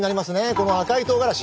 この赤いとうがらし。